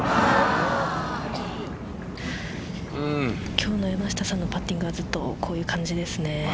今日の山下さんのパッティングはずっとこういう感じですね。